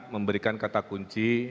memberikan kata kunci